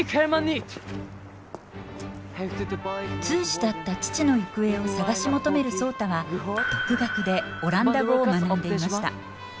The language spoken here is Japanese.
通詞だった父の行方を探し求める壮多は独学でオランダ語を学んでいました。